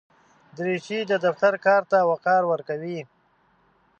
دریشي د دفتر کار ته وقار ورکوي.